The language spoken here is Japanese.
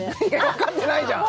分かってないじゃん！